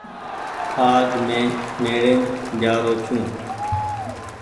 آج مين ميڙيم جآ رو ڇو۔